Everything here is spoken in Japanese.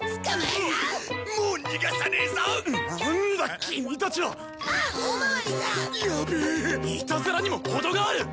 いたずらにもほどがある！